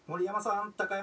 高山さん